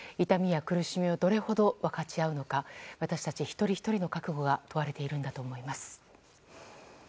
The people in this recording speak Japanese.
痛みや苦しみを、どれほど分かち合うのか私たち一人ひとりの覚悟が問われているんだと思います。